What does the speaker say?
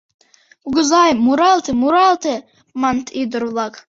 — Кугызай, муралте, муралте! — маныт ӱдыр-влак.